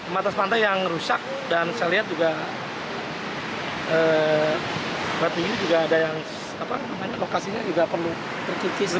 matas pantai yang rusak dan saya lihat juga batu ini juga ada yang lokasinya juga perlu terkikis